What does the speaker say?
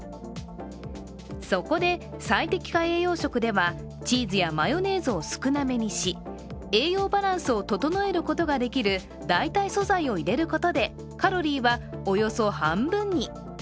そこで、最適化栄養食ではチーズやマヨネーズを少なめにし栄養バランスを整えることができる代替素材を入れることでカロリーはおよそ半分に。